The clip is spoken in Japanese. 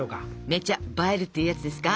めちゃ映えるっていうやつですか。